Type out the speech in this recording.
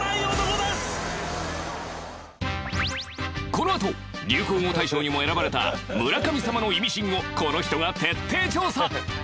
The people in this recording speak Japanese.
このあと流行語大賞にも選ばれた村神様のイミシンをこの人が徹底調査！